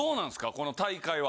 この大会は。